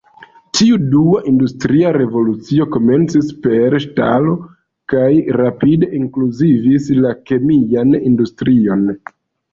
Tiu "dua" industria revolucio komencis per ŝtalo kaj rapide inkluzivis la kemian industrion.